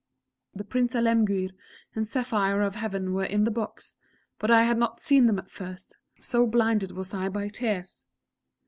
_ The Prince Alemguir and Saphire of Heaven were in the box, but I had not seen them at first, so blinded was I by tears.